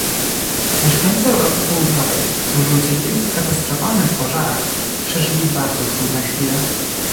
Mieszkańcy Europy południowej, którzy ucierpieli w katastrofalnych pożarach przeżyli bardzo trudne chwile